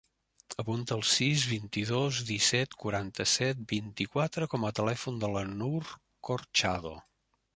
Apunta el sis, vint-i-dos, disset, quaranta-set, vint-i-quatre com a telèfon de la Nour Corchado.